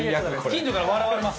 近所から笑われます。